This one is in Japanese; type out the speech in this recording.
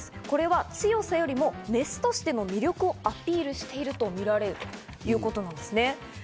これは強さよりもメスとしての魅力をアピールしていると見られるということなんですね。